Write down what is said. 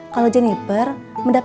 kalau jenis buaya ini apa